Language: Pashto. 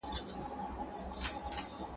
هغه پنځه کسان ولې لاړل؟